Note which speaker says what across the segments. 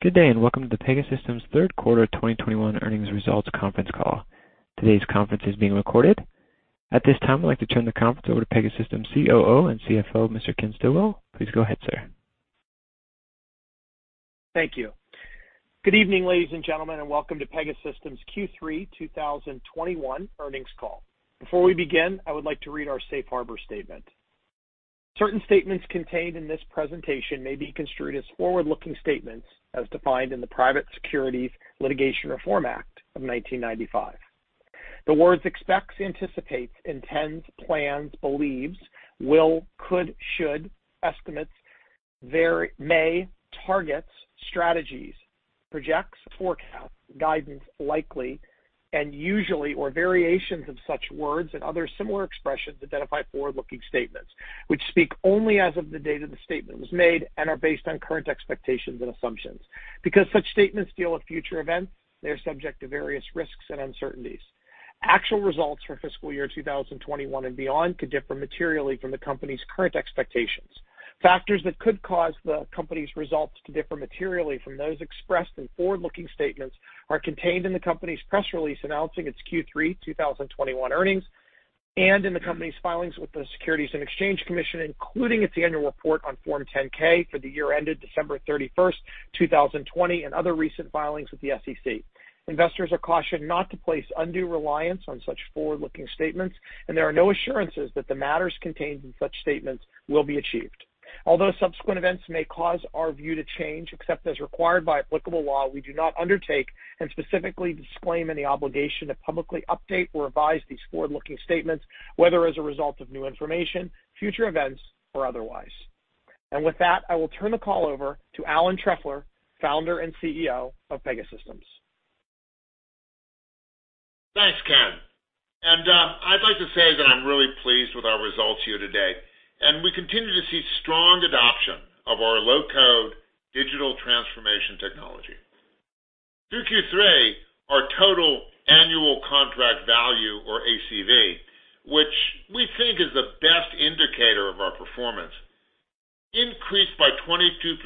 Speaker 1: Good day, and welcome to the Pegasystems third quarter 2021 earnings results conference call. Today's conference is being recorded. At this time, I'd like to turn the conference over to Pegasystems COO and CFO, Mr. Ken Stillwell. Please go ahead, sir.
Speaker 2: Thank you. Good evening, ladies and gentlemen, and welcome to Pegasystems Q3 2021 earnings call. Before we begin, I would like to read our safe harbor statement. Certain statements contained in this presentation may be construed as forward-looking statements as defined in the Private Securities Litigation Reform Act of 1995. The words expects, anticipates, intends, plans, believes, will, could, should, estimates, very, may, targets, strategies, projects, forecasts, guidance, likely, and usually or variations of such words and other similar expressions identify forward-looking statements which speak only as of the date of the statement was made and are based on current expectations and assumptions. Because such statements deal with future events, they are subject to various risks and uncertainties. Actual results for fiscal year 2021 and beyond could differ materially from the company's current expectations. Factors that could cause the company's results to differ materially from those expressed in forward-looking statements are contained in the company's press release announcing its Q3 2021 earnings and in the company's filings with the Securities and Exchange Commission, including its annual report on Form 10-K for the year ended December 31, 2020, and other recent filings with the SEC. Investors are cautioned not to place undue reliance on such forward-looking statements, and there are no assurances that the matters contained in such statements will be achieved. Although subsequent events may cause our view to change, except as required by applicable law, we do not undertake and specifically disclaim any obligation to publicly update or revise these forward-looking statements, whether as a result of new information, future events, or otherwise. With that, I will turn the call over to Alan Trefler, Founder and CEO of Pegasystems.
Speaker 3: Thanks, Ken. I'd like to say that I'm really pleased with our results here today, and we continue to see strong adoption of our low-code digital transformation technology. Through Q3, our total Annual Contract Value or ACV, which we think is the best indicator of our performance, increased by 22%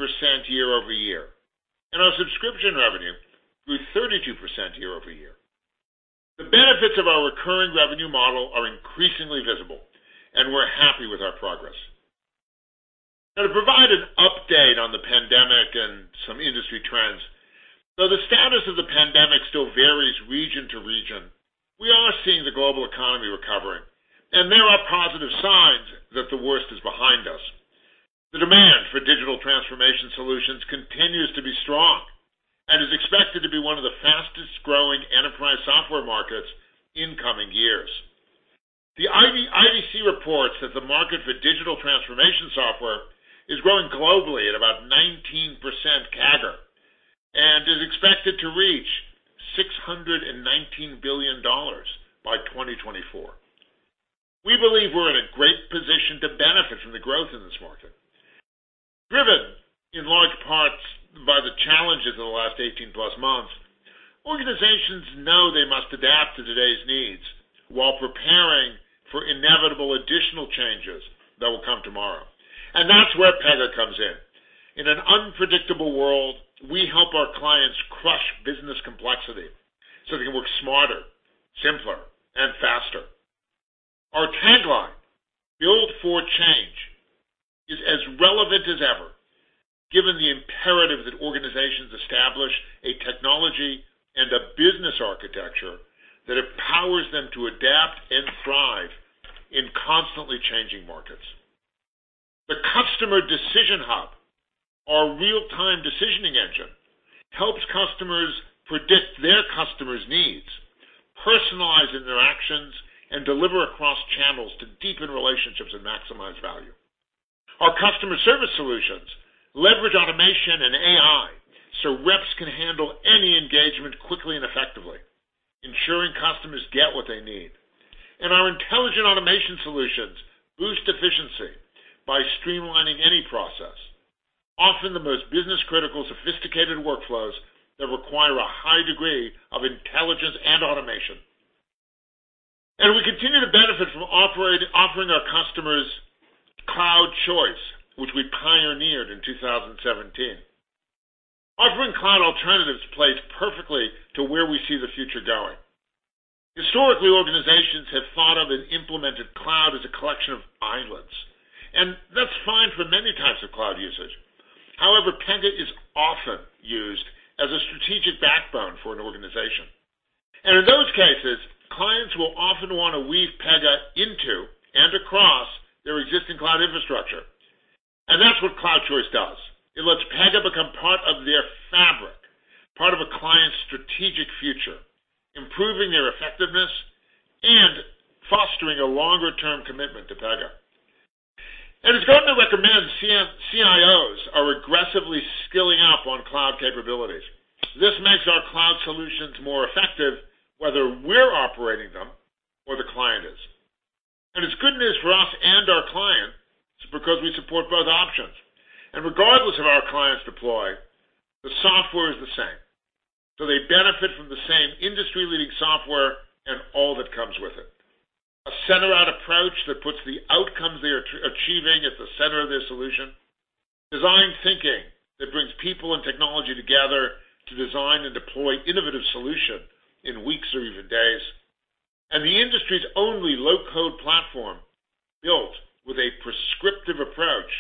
Speaker 3: year-over-year, and our subscription revenue grew 32% year-over-year. The benefits of our recurring revenue model are increasingly visible, and we're happy with our progress. Now to provide an update on the pandemic and some industry trends. Though the status of the pandemic still varies region to region, we are seeing the global economy recovering, and there are positive signs that the worst is behind us. The demand for digital transformation solutions continues to be strong and is expected to be one of the fastest-growing enterprise software markets in coming years. The IDC reports that the market for digital transformation software is growing globally at about 19% CAGR and is expected to reach $619 billion by 2024. We believe we're in a great position to benefit from the growth in this market. Driven in large parts by the challenges in the last 18+ months, organizations know they must adapt to today's needs while preparing for inevitable additional changes that will come tomorrow. That's where Pega comes in. In an unpredictable world, we help our clients crush business complexity, so they can work smarter, simpler, and faster. Our tagline, build for change, is as relevant as ever, given the imperative that organizations establish a technology and a business architecture that empowers them to adapt and thrive in constantly changing markets. The Customer Decision Hub, our real-time decisioning engine, helps customers predict their customers' needs, personalize interactions, and deliver across channels to deepen relationships and maximize value. Our customer service solutions leverage automation and AI, so reps can handle any engagement quickly and effectively, ensuring customers get what they need. Our intelligent automation solutions boost efficiency by streamlining any process, often the most business-critical, sophisticated workflows that require a high degree of intelligence and automation. We continue to benefit from offering our customers Cloud Choice, which we pioneered in 2017. Offering cloud alternatives plays perfectly to where we see the future going. Historically, organizations have thought of and implemented cloud as a collection of islands, and that's fine for many types of cloud usage. However, Pega is often used as a strategic backbone for an organization. In those cases, clients will often wanna weave Pega into and across their existing cloud infrastructure. That's what Cloud Choice does. It lets Pega become part of their fabric, part of a client's strategic future, improving their effectiveness and fostering a longer-term commitment to Pega. It's going to recommend that CIOs are aggressively skilling up on cloud capabilities. This makes our cloud solutions more effective, whether we're operating them or the client is. It's good news for us and our clients because we support both options. Regardless of how our clients deploy, they benefit from the same industry-leading software and all that comes with it. A center-out approach that puts the outcomes they are achieving at the center of their solution. Design thinking that brings people and technology together to design and deploy innovative solution in weeks or even days. The industry's only low-code platform built with a prescriptive approach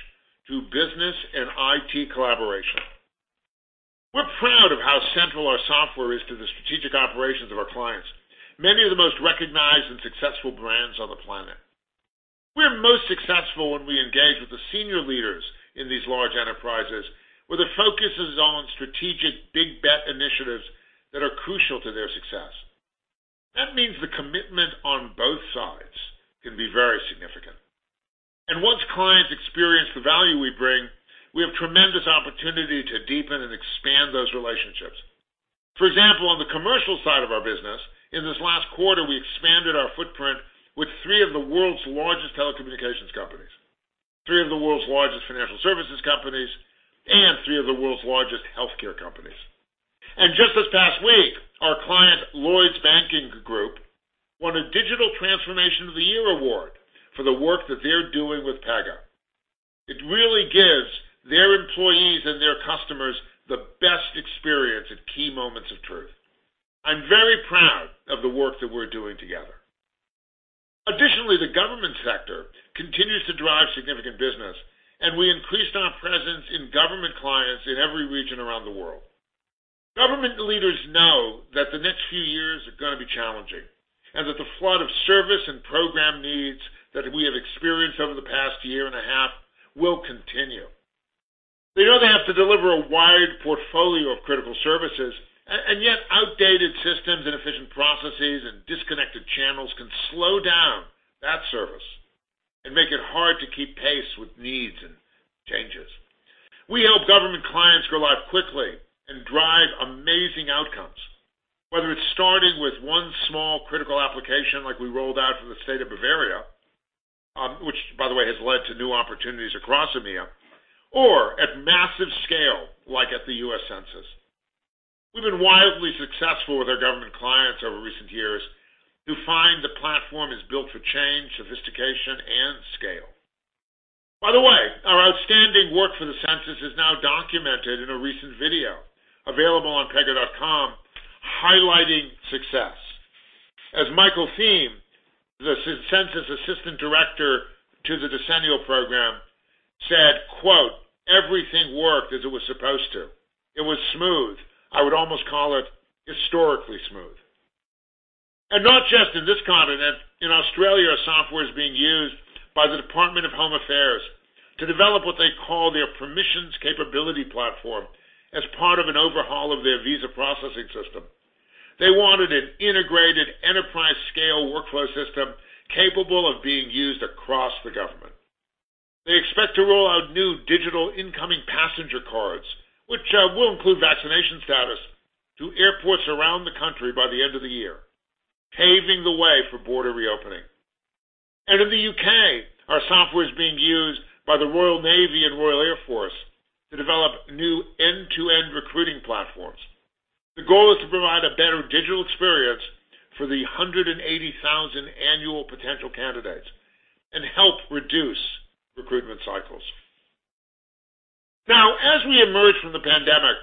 Speaker 3: through business and IT collaboration. We're proud of how central our software is to the strategic operations of our clients, many of the most recognized and successful brands on the planet. We're most successful when we engage with the senior leaders in these large enterprises, where the focus is on strategic big bet initiatives that are crucial to their success. That means the commitment on both sides can be very significant. Once clients experience the value we bring, we have tremendous opportunity to deepen and expand those relationships. For example, on the commercial side of our business, in this last quarter, we expanded our footprint with three of the world's largest telecommunications companies, three of the world's largest financial services companies, and three of the world's largest healthcare companies. Just this past week, our client, Lloyds Banking Group, won a Digital Transformation of the Year award for the work that they're doing with Pega. It really gives their employees and their customers the best experience at key moments of truth. I'm very proud of the work that we're doing together. Additionally, the government sector continues to drive significant business, and we increased our presence in government clients in every region around the world. Government leaders know that the next few years are gonna be challenging, and that the flood of service and program needs that we have experienced over the past year and a half will continue. They know they have to deliver a wide portfolio of critical services, and yet outdated systems, inefficient processes, and disconnected channels can slow down that service and make it hard to keep pace with needs and changes. We help government clients go live quickly and drive amazing outcomes, whether it's starting with one small critical application like we rolled out for the state of Bavaria, which by the way, has led to new opportunities across EMEA, or at massive scale, like at the U.S. Census. We've been wildly successful with our government clients over recent years who find the platform is built for change, sophistication, and scale. By the way, our outstanding work for the Census is now documented in a recent video available on pega.com, highlighting success. As Michael Thieme, the Assistant Director for Decennial Census Programs, Systems and Contracts, U.S. Census Bureau, said, quote, "Everything worked as it was supposed to. It was smooth. I would almost call it historically smooth." Not just in this continent. In Australia, our software is being used by the Department of Home Affairs to develop what they call their permissions capability platform as part of an overhaul of their visa processing system. They wanted an integrated enterprise scale workflow system capable of being used across the government. They expect to roll out new digital incoming passenger cards, which will include vaccination status to airports around the country by the end of the year, paving the way for border reopening. In the U.K., our software is being used by the Royal Navy and Royal Air Force to develop new end-to-end recruiting platforms. The goal is to provide a better digital experience for the 180,000 annual potential candidates and help reduce recruitment cycles. Now, as we emerge from the pandemic,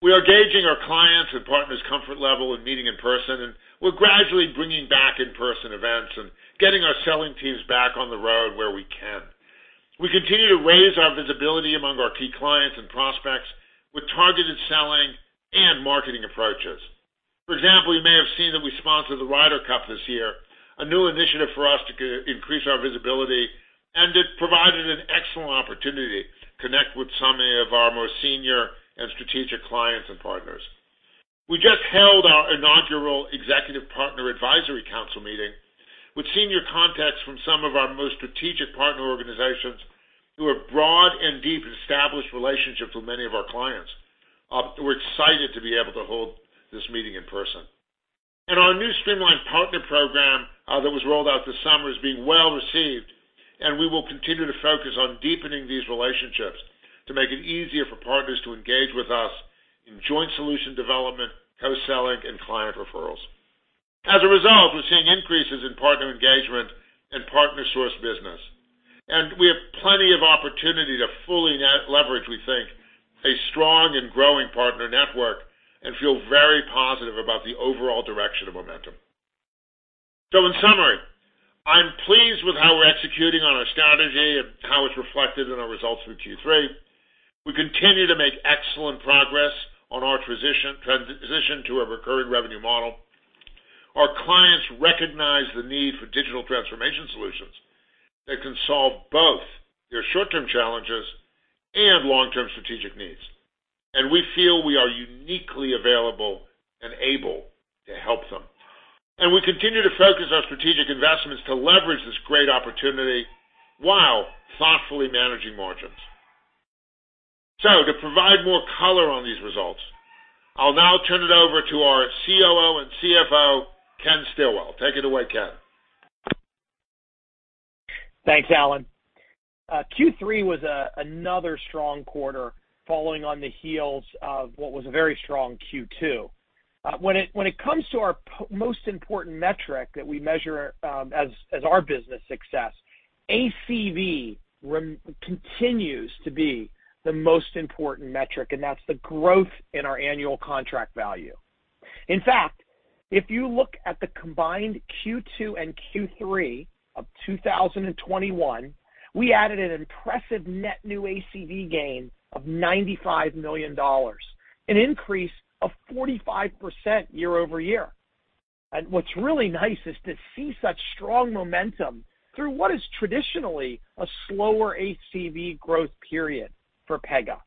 Speaker 3: we are gauging our clients' and partners' comfort level in meeting in person, and we're gradually bringing back in-person events and getting our selling teams back on the road where we can. We continue to raise our visibility among our key clients and prospects with targeted selling and marketing approaches. For example, you may have seen that we sponsored the Ryder Cup this year, a new initiative for us to increase our visibility, and it provided an excellent opportunity to connect with some of our most senior and strategic clients and partners. We just held our inaugural Executive Partner Advisory Council meeting with senior contacts from some of our most strategic partner organizations who have broad and deep established relationships with many of our clients. We're excited to be able to hold this meeting in person. Our new streamlined partner program that was rolled out this summer is being well-received, and we will continue to focus on deepening these relationships to make it easier for partners to engage with us in joint solution development, co-selling, and client referrals. As a result, we're seeing increases in partner engagement and partner source business, and we have plenty of opportunity to fully leverage, we think, a strong and growing partner network and feel very positive about the overall direction of momentum. In summary, I'm pleased with how we're executing on our strategy and how it's reflected in our results through Q3. We continue to make excellent progress on our transition to a recurring revenue model. Our clients recognize the need for digital transformation solutions that can solve both their short-term challenges and long-term strategic needs. We feel we are uniquely available and able to help them. We continue to focus our strategic investments to leverage this great opportunity while thoughtfully managing margins. To provide more color on these results, I'll now turn it over to Stillwell. Take it away, Ken.
Speaker 2: Thanks, Alan. Q3 was another strong quarter following on the heels of what was a very strong Q2. When it comes to our most important metric that we measure as our business success, ACV continues to be the most important metric, and that's the growth in our annual contract value. In fact, if you look at the combined Q2 and Q3 of 2021, we added an impressive net new ACV gain of $95 million, an increase of 45% year-over-year. What's really nice is to see such strong momentum through what is traditionally a slower ACV growth period for Pega,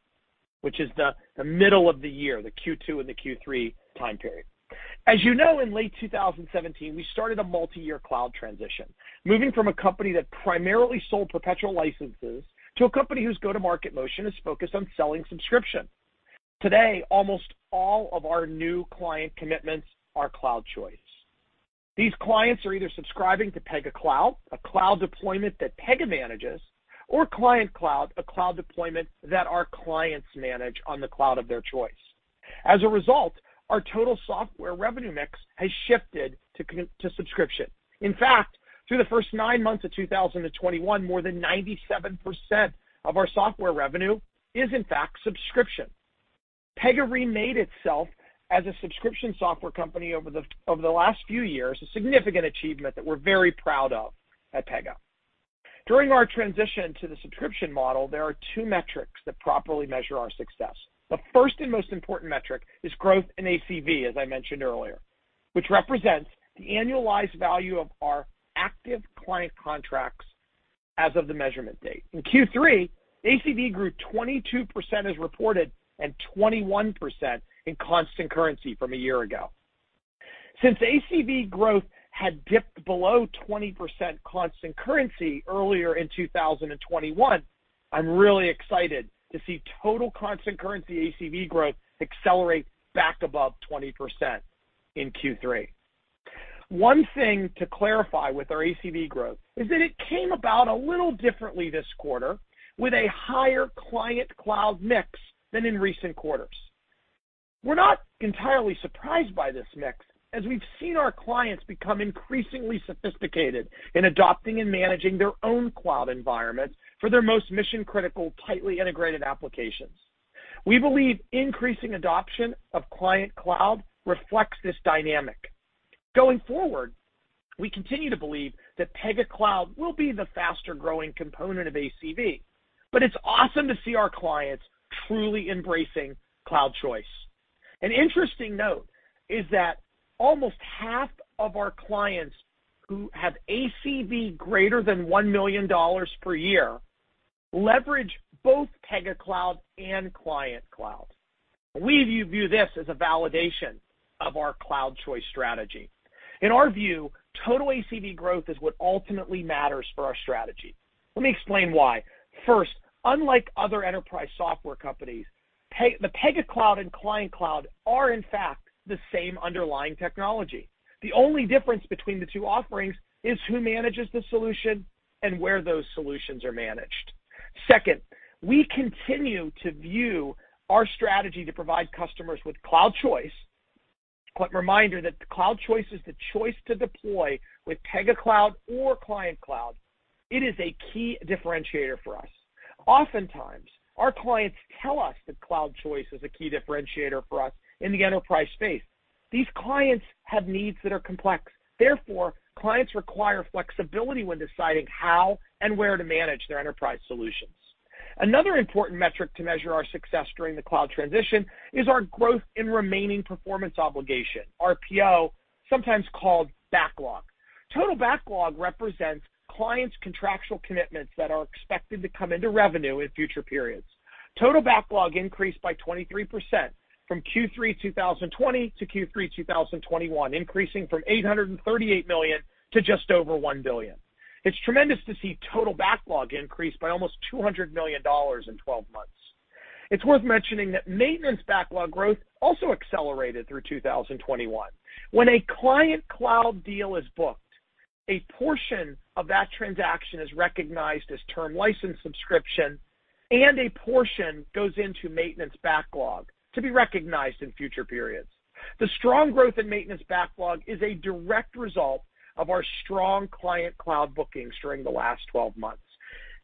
Speaker 2: which is the middle of the year, the Q2 and the Q3 time period. As you know, in late 2017, we started a multiyear cloud transition, moving from a company that primarily sold perpetual licenses to a company whose go-to-market motion is focused on selling subscription. Today, almost all of our new client commitments are cloud choice. These clients are either subscribing to Pega Cloud, a cloud deployment that Pega manages or Client-managed cloud, a cloud deployment that our clients manage on the cloud of their choice. As a result, our total software revenue mix has shifted to SaaS to subscription. In fact, through the first nine-months of 2021, more than 97% of our software revenue is in fact subscription. Pega remade itself as a subscription software company over the last few years, a significant achievement that we're very proud of at Pega. During our transition to the subscription model, there are two metrics that properly measure our success. The first and most important metric is growth in ACV, as I mentioned earlier, which represents the annualized value of our active client contracts as of the measurement date. In Q3, ACV grew 22% as reported and 21% in constant currency from a year ago. Since ACV growth had dipped below 20% constant currency earlier in 2021, I'm really excited to see total constant currency ACV growth accelerate back above 20% in Q3. One thing to clarify with our ACV growth is that it came about a little differently this quarter with a higher Client-managed cloud mix than in recent quarters. We're not entirely surprised by this mix, as we've seen our clients become increasingly sophisticated in adopting and managing their own cloud environments for their most mission-critical, tightly integrated applications. We believe increasing adoption of Client-managed cloud reflects this dynamic. Going forward, we continue to believe that Pega Cloud will be the faster-growing component of ACV, but it's awesome to see our clients truly embracing cloud choice. An interesting note is that almost half of our clients who have ACV greater than $1 million per year leverage both Pega Cloud and Client-managed cloud. We view this as a validation of our cloud choice strategy. In our view, total ACV growth is what ultimately matters for our strategy. Let me explain why. First, unlike other enterprise software companies, the Pega Cloud and Client-managed cloud are in fact the same underlying technology. The only difference between the two offerings is who manages the solution and where those solutions are managed. Second, we continue to view our strategy to provide customers with Cloud Choice. Reminder that the Cloud Choice is the choice to deploy with Pega Cloud or Client-managed cloud. It is a key differentiator for us. Oftentimes, our clients tell us that Cloud Choice is a key differentiator for us in the enterprise space. These clients have needs that are complex, therefore, clients require flexibility when deciding how and where to manage their enterprise solutions. Another important metric to measure our success during the cloud transition is our growth in remaining performance obligation, RPO, sometimes called backlog. Total backlog represents clients' contractual commitments that are expected to come into revenue in future periods. Total backlog increased by 23% from Q3 2020 to Q3 2021, increasing from $838 million to just over $1 billion. It's tremendous to see total backlog increase by almost $200 million in 12 months. It's worth mentioning that maintenance backlog growth also accelerated through 2021. When a Client-managed cloud deal is booked, a portion of that transaction is recognized as term license subscription, and a portion goes into maintenance backlog to be recognized in future periods. The strong growth in maintenance backlog is a direct result of our strong Client-managed cloud bookings during the last 12-months.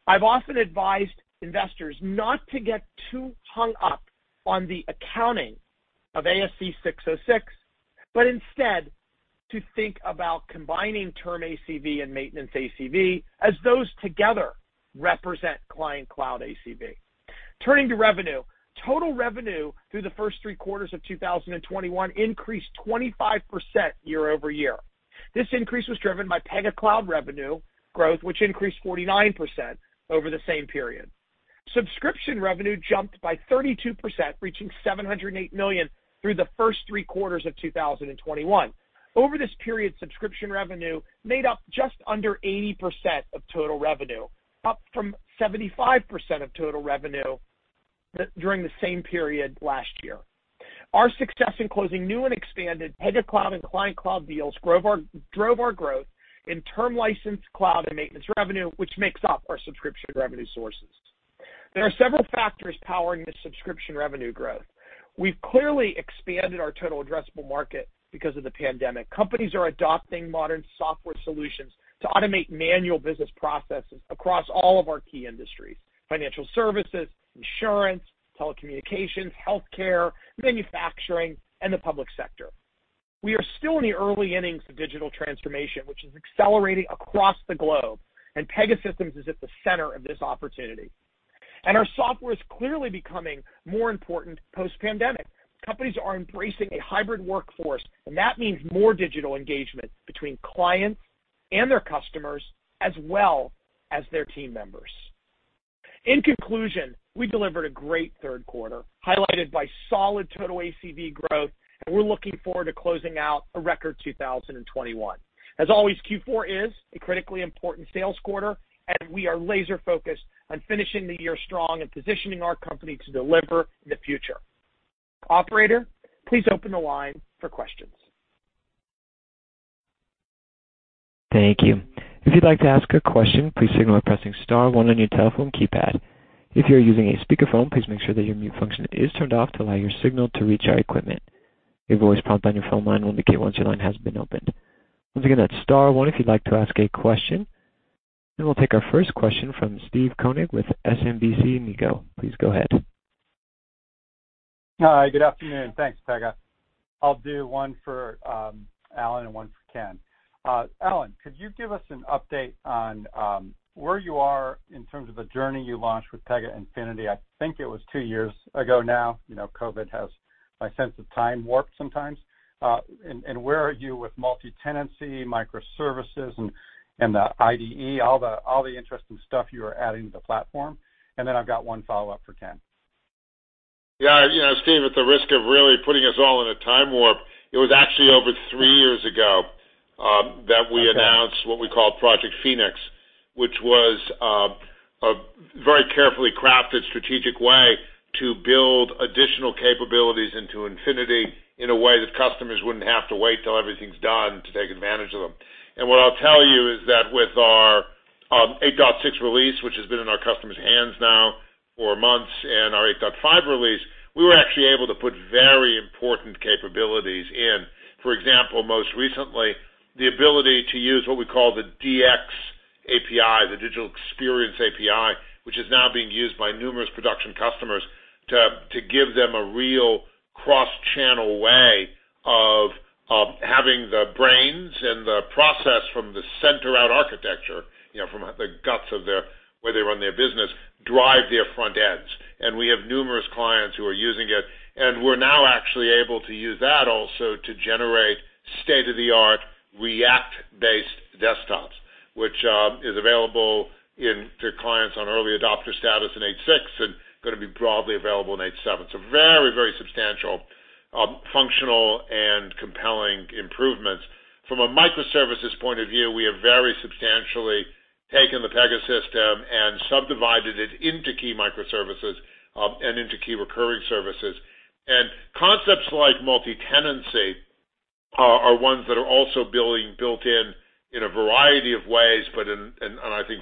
Speaker 2: I've often advised investors not to get too hung up on the accounting of ASC 606, but instead to think about combining term ACV and maintenance ACV as those together represent Client-managed cloud ACV. Turning to revenue, total revenue through the first three quarters of 2021 increased 25% year-over-year. This increase was driven by Pega Cloud revenue growth, which increased 49% over the same period. Subscription revenue jumped by 32%, reaching $708 million through the first three quarters of 2021. Over this period, subscription revenue made up just under 80% of total revenue, up from 75% of total revenue during the same period last year. Our success in closing new and expanded Pega Cloud and Client-managed cloud deals drove our growth in term license cloud and maintenance revenue, which makes up our subscription revenue sources. There are several factors powering the subscription revenue growth. We've clearly expanded our total addressable market because of the pandemic. Companies are adopting modern software solutions to automate manual business processes across all of our key industries, financial services, insurance, telecommunications, healthcare, manufacturing, and the public sector. We are still in the early innings of digital transformation, which is accelerating across the globe, and Pegasystems is at the center of this opportunity. Our software is clearly becoming more important post-pandemic. Companies are embracing a hybrid workforce, and that means more digital engagement between clients and their customers as well as their team members. In conclusion, we delivered a great third quarter, highlighted by solid total ACV growth, and we're looking forward to closing out a record 2021. As always, Q4 is a critically important sales quarter, and we are laser focused on finishing the year strong and positioning our company to deliver the future. Operator, please open the line for questions.
Speaker 1: Thank you. If you'd like to ask a question, please signal by pressing star one on your telephone keypad. If you're using a speakerphone, please make sure that your mute function is turned off to allow your signal to reach our equipment. A voice prompt on your phone line will indicate once your line has been opened. Once again, that's star one if you'd like to ask a question. We'll take our first question from Steve Koenig with SMBC Nikko. Please go ahead.
Speaker 4: Hi. Good afternoon. Thanks, Pega. I'll do one for Alan and one for Ken. Alan, could you give us an update on where you are in terms of the journey you launched with Pega Infinity? I think it was two years ago now. You know, COVID has my sense of time warped sometimes. Where are you with multi-tenancy, microservices and the IDE, all the interesting stuff you are adding to the platform. Then I've got one follow-up for Ken.
Speaker 3: Yeah, you know, Steve, at the risk of really putting us all in a time warp, it was actually over three-years ago that we announced what we call Project Phoenix, which was a very carefully crafted strategic way to build additional capabilities into Infinity in a way that customers wouldn't have to wait till everything's done to take advantage of them. What I'll tell you is that with our 8.6 release, which has been in our customers' hands now for months, and our 8.5 release, we were actually able to put very important capabilities in. For example, most recently, the ability to use what we call the DX API, the digital experience API, which is now being used by numerous production customers to give them a real cross-channel way of having the brains and the process from the center out architecture, you know, from the guts of their where they run their business, drive their front ends. We have numerous clients who are using it, and we're now actually able to use that also to generate state-of-the-art React-based desktops, which is available to clients on early adopter status in 8.6 and gonna be broadly available in 8.7. Very, very substantial functional and compelling improvements. From a microservices point of view, we have very substantially taken the Pega system and subdivided it into key microservices and into key recurring services. Concepts like multi-tenancy are ones that are also being built-in in a variety of ways, but in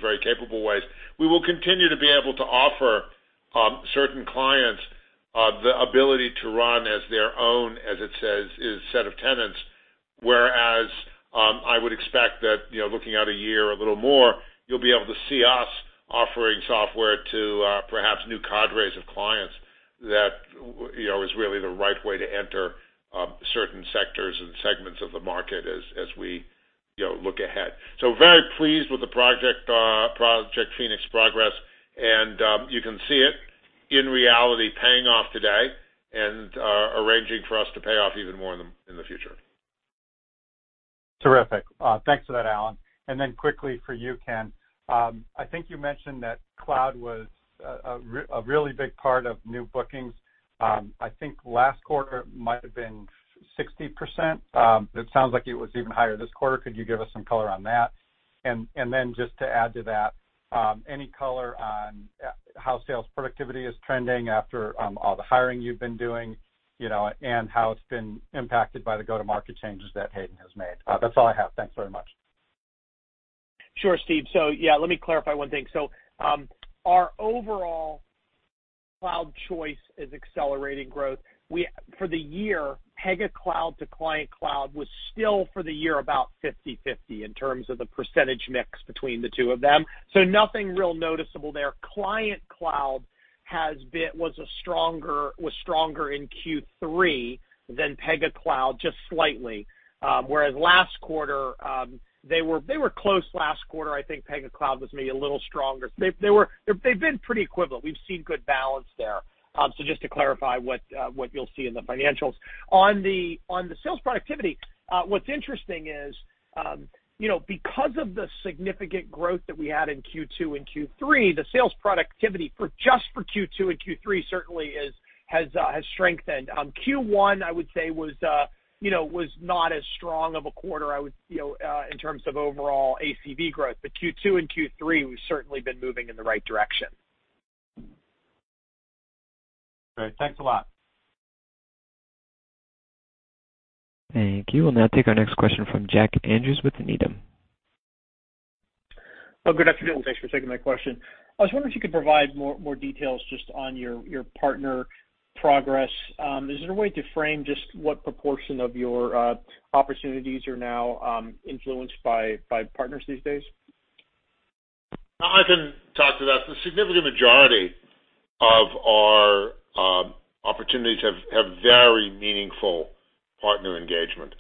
Speaker 3: very capable ways. We will continue to be able to offer certain clients the ability to run as their own set of tenants. Whereas, I would expect that, you know, looking at a year or a little more, you'll be able to see us offering software to perhaps new cadres of clients that, you know, is really the right way to enter certain sectors and segments of the market as we, you know, look ahead. Very pleased with the Project Phoenix progress, and you can see it in reality paying off today and arranging for us to pay off even more in the future.
Speaker 4: Terrific. Thanks for that, Alan. Quickly for you, Ken. I think you mentioned that cloud was a really big part of new bookings. I think last quarter it might have been 60%. It sounds like it was even higher this quarter. Could you give us some color on that? Just to add to that, any color on how sales productivity is trending after all the hiring you've been doing, you know, and how it's been impacted by the go-to-market changes that Hayden has made? That's all I have. Thanks very much.
Speaker 2: Sure, Steve. Yeah, let me clarify one thing. Our overall cloud choice is accelerating growth. For the year, Pega Cloud to Client-managed cloud was still for the year about 50/50 in terms of the percentage mix between the two of them, so nothing really noticeable there. Client-managed cloud was stronger in Q3 than Pega Cloud, just slightly. Whereas last quarter, they were close last quarter. I think Pega Cloud was maybe a little stronger. They've been pretty equivalent. We've seen good balance there. Just to clarify what you'll see in the financials. On the sales productivity, what's interesting is, you know, because of the significant growth that we had in Q2 and Q3, the sales productivity for just Q2 and Q3 certainly has strengthened. Q1, I would say, was not as strong of a quarter, you know, in terms of overall ACV growth. Q2 and Q3, we've certainly been moving in the right direction.
Speaker 4: Great. Thanks a lot.
Speaker 1: Thank you. We'll now take our next question from Jack Andrews with Needham.
Speaker 5: Oh, good afternoon. Thanks for taking my question. I was wondering if you could provide more details just on your partner progress. Is there a way to frame just what proportion of your opportunities are now influenced by partners these days?
Speaker 3: I can talk to that. The significant majority of our opportunities have very meaningful partner engagement.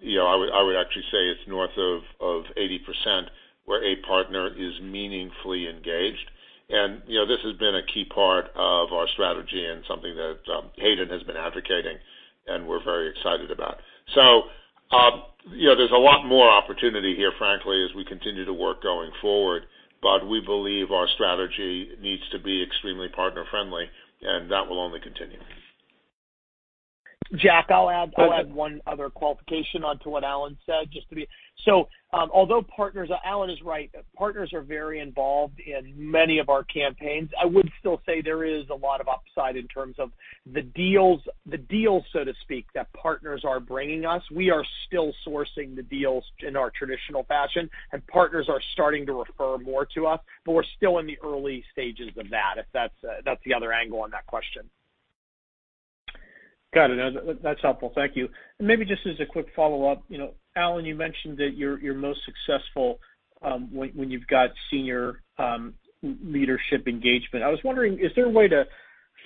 Speaker 3: You know, I would actually say it's north of 80% where a partner is meaningfully engaged. You know, this has been a key part of our strategy and something that Hayden has been advocating and we're very excited about. You know, there's a lot more opportunity here, frankly, as we continue to work going forward, but we believe our strategy needs to be extremely partner-friendly, and that will only continue.
Speaker 2: Jack, I'll add.
Speaker 5: Okay.
Speaker 2: I'll add one other qualification onto what Alan said. Although partners, Alan is right, partners are very involved in many of our campaigns. I would still say there is a lot of upside in terms of the deals, so to speak, that partners are bringing us. We are still sourcing the deals in our traditional fashion, and partners are starting to refer more to us, but we're still in the early stages of that, if that's the other angle on that question.
Speaker 5: Got it. That's helpful. Thank you. Maybe just as a quick follow-up, you know, Alan, you mentioned that you're most successful when you've got senior leadership engagement. I was wondering, is there a way to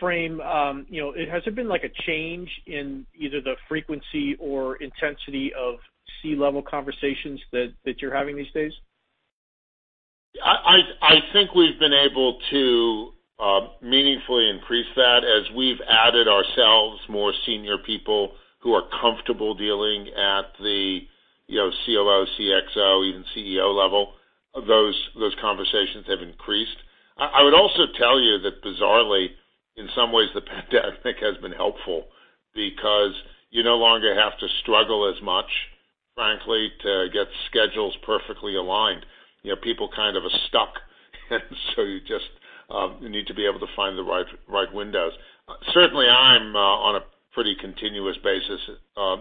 Speaker 5: frame, you know. Has there been like a change in either the frequency or intensity of C-level conversations that you're having these days?
Speaker 3: I think we've been able to meaningfully increase that. As we've added ourselves more senior people who are comfortable dealing at the, you know, COO, CXO, even CEO level, those conversations have increased. I would also tell you that bizarrely, in some ways, the pandemic has been helpful because you no longer have to struggle as much, frankly, to get schedules perfectly aligned. You know, people kind of are stuck, and so you just need to be able to find the right windows. Certainly, I'm on a pretty continuous basis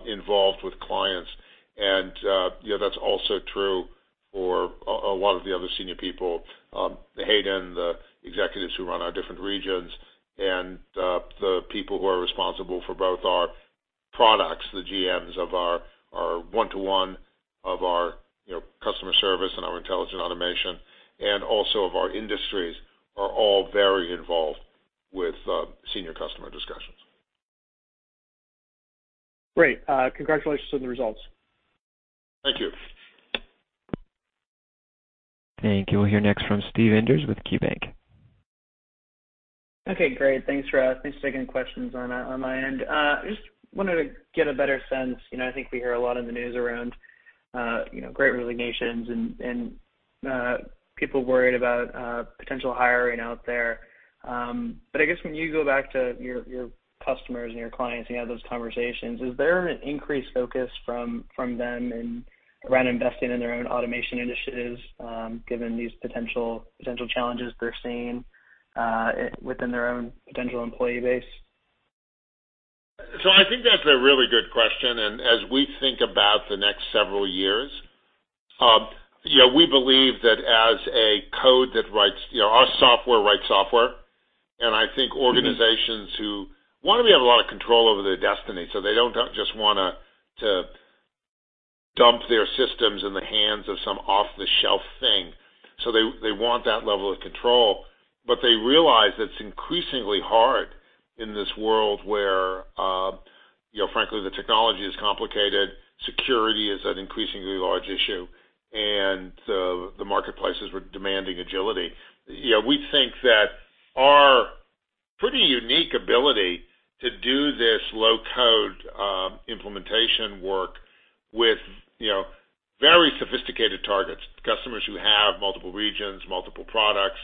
Speaker 3: involved with clients. That's also true for a lot of the other senior people, Hayden, the executives who run our different regions, and the people who are responsible for both our products, the GMs of our one-to-one, our customer service and our intelligent automation, and also of our industries are all very involved with senior customer discussions.
Speaker 5: Great. Congratulations on the results.
Speaker 3: Thank you.
Speaker 1: Thank you. We'll hear next from Steve Enders with KeyBank.
Speaker 6: Okay, great. Thanks for taking the questions on my end. I just wanted to get a better sense, you know, I think we hear a lot in the news around, you know, great resignations and people worried about potential hiring out there. But I guess when you go back to your customers and your clients, and you have those conversations, is there an increased focus from them around investing in their own automation initiatives, given these potential challenges they're seeing within their own potential employee base?
Speaker 3: I think that's a really good question. As we think about the next several years, we believe that our software writes software. You know, I think organizations who wanna be able to have a lot of control over their destiny, so they don't just wanna dump their systems in the hands of some off-the-shelf thing. They want that level of control, but they realize it's increasingly hard in this world where, frankly, the technology is complicated, security is an increasingly large issue, and the marketplaces were demanding agility. You know, we think that our pretty unique ability to do this low-code implementation work with, you know, very sophisticated targets, customers who have multiple regions, multiple products,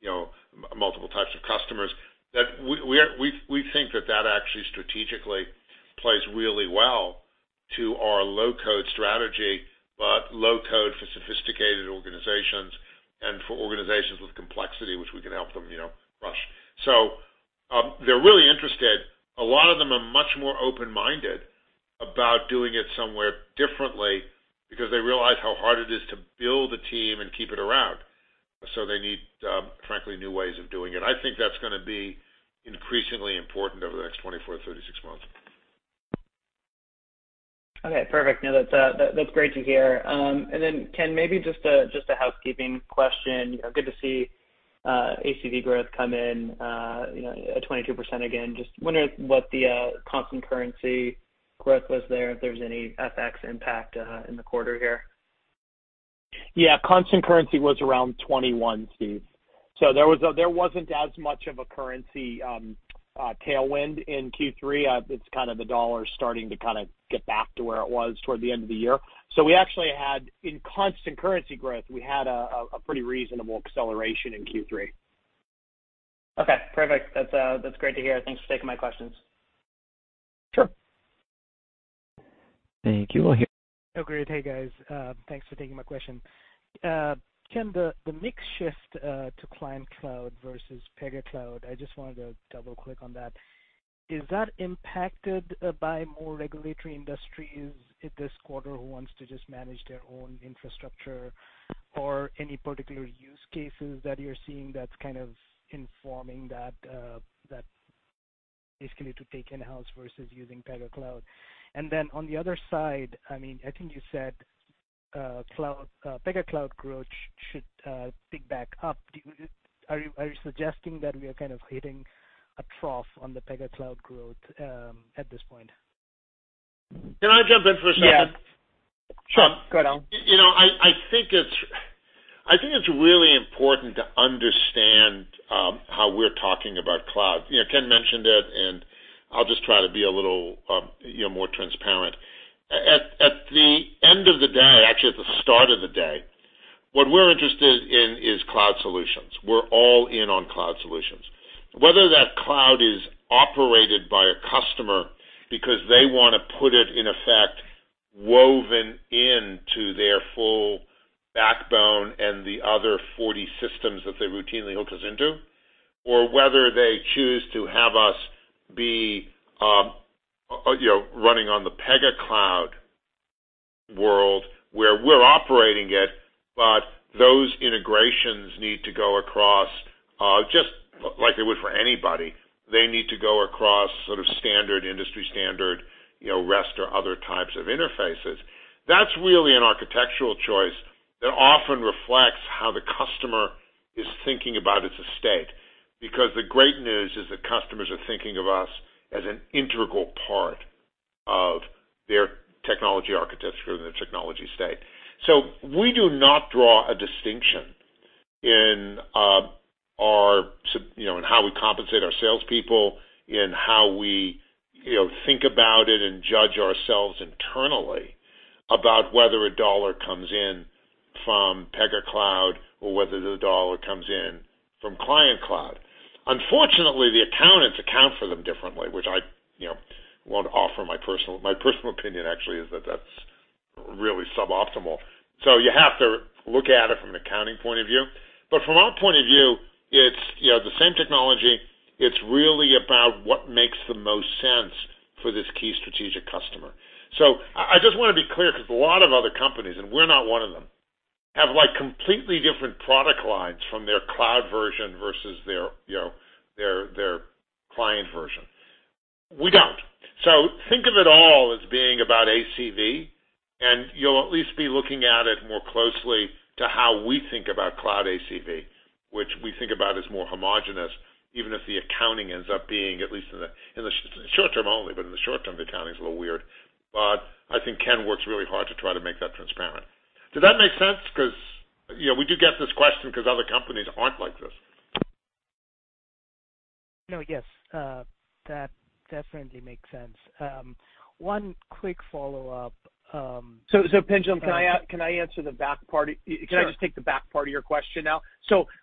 Speaker 3: you know, multiple types of customers, that we think that actually strategically plays really well to our low-code strategy, but low code for sophisticated organizations and for organizations with complexity, which we can help them, you know, crush. They're really interested. A lot of them are much more open-minded about doing it somewhere differently because they realize how hard it is to build a team and keep it around. They need, frankly, new ways of doing it. I think that's gonna be increasingly important over the next 24-36 months.
Speaker 6: Okay, perfect. No, that's great to hear. Then Ken, maybe just a housekeeping question. You know, good to see ACV growth come in, you know, at 22% again. Just wondering what the constant currency growth was there, if there's any FX impact in the quarter here.
Speaker 2: Yeah. Constant currency was around 21, Steve. There wasn't as much of a currency tailwind in Q3. It's kind of the dollar starting to kinda get back to where it was toward the end of the year. We actually had in constant currency growth a pretty reasonable acceleration in Q3.
Speaker 6: Okay, perfect. That's great to hear. Thanks for taking my questions.
Speaker 2: Sure. Thank you.
Speaker 7: Oh, great. Hey guys. Thanks for taking my question. Ken, the mix shift to Client-managed cloud versus Pega Cloud, I just wanted to double click on that. Is that impacted by more regulatory industries this quarter who wants to just manage their own infrastructure or any particular use cases that you're seeing that's kind of informing that basically to take in-house versus using Pega Cloud? And then on the other side, I mean, I think you said Pega Cloud growth should pick back up. Are you suggesting that we are kind of hitting a trough on the Pega Cloud growth at this point?
Speaker 3: Can I jump in for a second?
Speaker 2: Yeah.
Speaker 3: Sure.
Speaker 2: Go down.
Speaker 3: You know, I think it's really important to understand how we're talking about cloud. You know, Ken mentioned it, and I'll just try to be a little, you know, more transparent. At the end of the day, actually at the start of the day, what we're interested in is cloud solutions. We're all in on cloud solutions. Whether that cloud is operated by a customer because they wanna put it in effect woven into their full backbone and the other 40 systems that they routinely hook us into, or whether they choose to have us be, you know, running on the Pega Cloud world where we're operating it, but those integrations need to go across, just like it would for anybody. They need to go across sort of standard, industry standard, you know, REST or other types of interfaces. That's really an architectural choice that often reflects how the customer is thinking about its estate. The great news is that customers are thinking of us as an integral part of their technology architecture, their technology state. We do not draw a distinction in, you know, in how we compensate our salespeople, in how we, you know, think about it and judge ourselves internally about whether a dollar comes in from Pega Cloud or whether the dollar comes in from Client-managed cloud. Unfortunately, the accountants account for them differently, which I, you know, won't offer my personal opinion actually is that that's really suboptimal. You have to look at it from an accounting point of view. From our point of view, it's, you know, the same technology. It's really about what makes the most sense for this key strategic customer. I just wanna be clear because a lot of other companies, and we're not one of them, have like completely different product lines from their cloud version versus their, you know, their client version. We don't. Think of it all as being about ACV, and you'll at least be looking at it more closely to how we think about cloud ACV, which we think about as more homogeneous, even if the accounting ends up being at least in the short term only, but in the short term, the accounting is a little weird. I think Ken works really hard to try to make that transparent. Does that make sense? 'Cause, you know, we do get this question 'cause other companies aren't like this.
Speaker 7: No, yes. That definitely makes sense. One quick follow-up,
Speaker 2: Pinjalim, can I answer the back part?
Speaker 7: Sure.
Speaker 2: Can I just take the back part of your question now?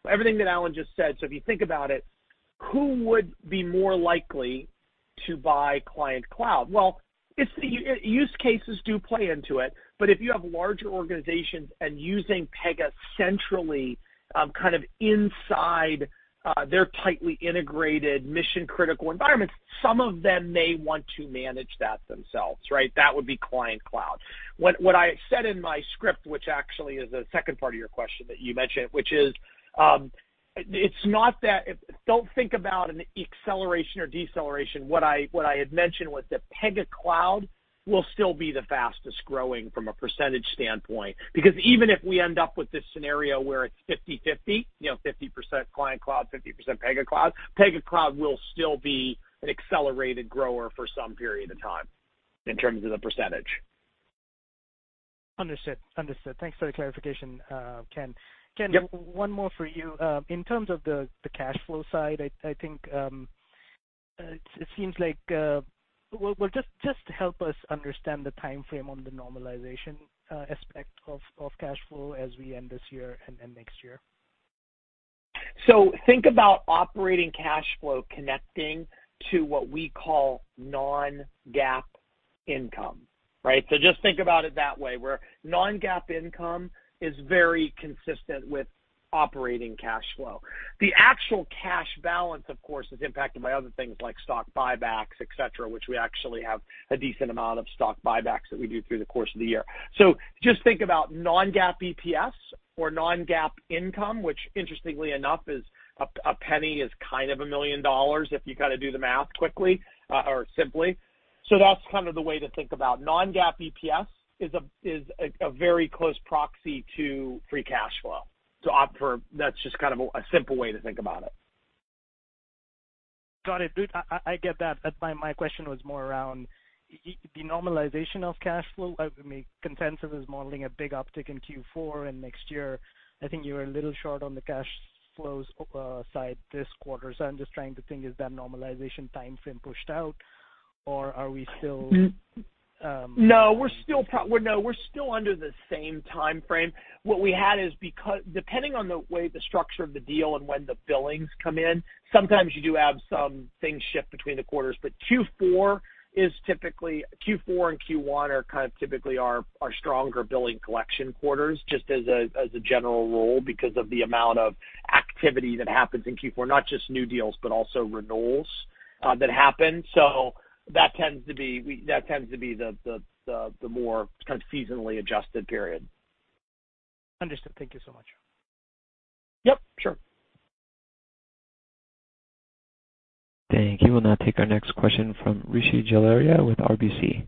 Speaker 2: Everything that Alan just said, so if you think about it, who would be more likely to buy Client-managed cloud? Well, it's the use cases do play into it. But if you have larger organizations and using Pega centrally, kind of inside their tightly integrated mission-critical environments, some of them may want to manage that themselves, right? That would be Client-managed cloud. What I said in my script, which actually is the second part of your question that you mentioned, which is, it's not that. Don't think about an acceleration or deceleration. What I had mentioned was that Pega Cloud will still be the fastest growing from a percentage standpoint. Because even if we end up with this scenario where it's 50/50, you know, 50% Client-managed cloud, 50% Pega Cloud, Pega Cloud will still be an accelerated grower for some period of time in terms of the percentage.
Speaker 7: Understood. Thanks for the clarification, Ken.
Speaker 2: Yep.
Speaker 7: Ken, one more for you. In terms of the cash flow side, I think it seems like, well, just help us understand the timeframe on the normalization aspect of cash flow as we end this year and next year.
Speaker 2: Think about operating cash flow connecting to what we call non-GAAP income, right? Just think about it that way, where non-GAAP income is very consistent with operating cash flow. The actual cash balance, of course, is impacted by other things like stock buybacks, etc., which we actually have a decent amount of stock buybacks that we do through the course of the year. Just think about non-GAAP EPS or non-GAAP income, which interestingly enough is a penny is kind of a million dollars if you kinda do the math quickly, or simply. That's kind of the way to think about non-GAAP EPS is a very close proxy to free cash flow to opt for. That's just kind of a simple way to think about it.
Speaker 7: Got it. I get that. My question was more around the normalization of cash flow. I mean, consensus is modeling a big uptick in Q4 and next year. I think you're a little short on the cash flows side this quarter. I'm just trying to think, is that normalization timeframe pushed out? Are we still?
Speaker 2: No, we're still under the same timeframe. What we had is depending on the way the structure of the deal and when the billings come in, sometimes you do have some things shift between the quarters, but Q4 is typically Q4 and Q1 are kind of typically our stronger billing collection quarters, just as a general rule because of the amount of activity that happens in Q4, not just new deals, but also renewals, that happen. That tends to be the more kind of seasonally adjusted period.
Speaker 7: Understood. Thank you so much.
Speaker 2: Yep, sure.
Speaker 1: Thank you. We'll now take our next question from Rishi Jaluria with RBC.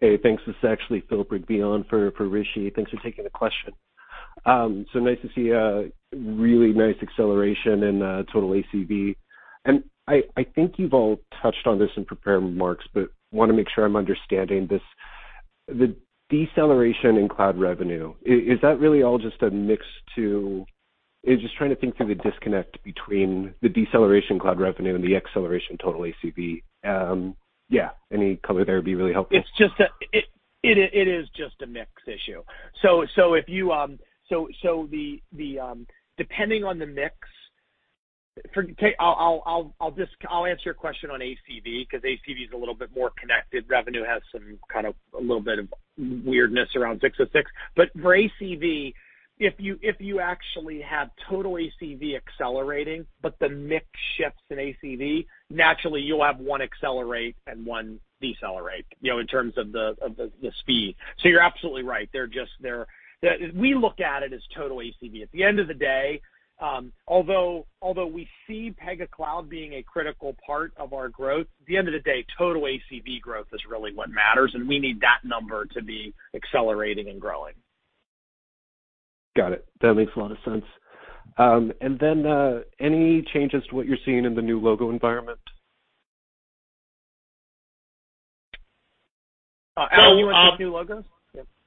Speaker 8: Hey, thanks. This is actually Philip Rigby on for Rishi. Thanks for taking the question. So nice to see a really nice acceleration in total ACV. I think you've all touched on this in prepared remarks, but wanna make sure I'm understanding this. The deceleration in cloud revenue is that really all just a mix to. Yeah, just trying to think through the disconnect between the deceleration cloud revenue and the acceleration total ACV. Yeah, any color there would be really helpful.
Speaker 2: It's just a mix issue. Depending on the mix, I'll just answer your question on ACV 'cause ACV is a little bit more connected. Revenue has some kind of a little bit of weirdness around 606. But for ACV, if you actually have total ACV accelerating, but the mix shifts in ACV, naturally you'll have one accelerate and one decelerate, you know, in terms of the speed. You're absolutely right. We look at it as total ACV. At the end of the day, although we see Pega Cloud being a critical part of our growth, at the end of the day, total ACV growth is really what matters, and we need that number to be accelerating and growing.
Speaker 8: Got it. That makes a lot of sense. Any changes to what you're seeing in the new logo environment?
Speaker 2: Alan, do you want the new logos?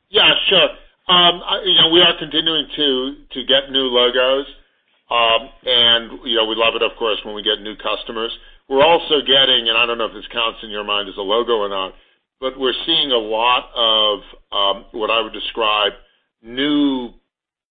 Speaker 3: Yeah, sure. You know, we are continuing to get new logos. You know, we love it, of course, when we get new customers. We're also getting, and I don't know if this counts in your mind as a logo or not, but we're seeing a lot of what I would describe, new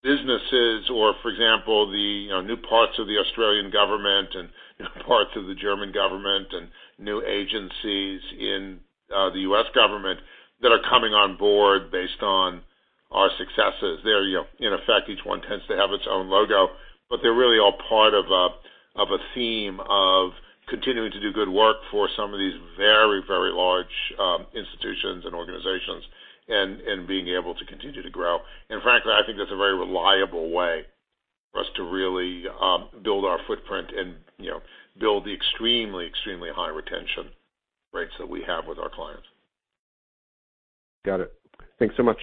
Speaker 3: businesses or for example, you know, new parts of the Australian government and, you know, parts of the German government and new agencies in the U.S. government that are coming on board based on our successes. They're, you know, in effect, each one tends to have its own logo, but they're really all part of a theme of continuing to do good work for some of these very, very large institutions and organizations and being able to continue to grow. Frankly, I think that's a very reliable way for us to really build our footprint and, you know, build the extremely high retention rates that we have with our clients.
Speaker 8: Got it. Thanks so much.